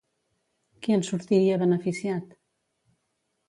Qui en sortiria beneficiat?